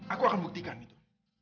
aku akan buktikan itu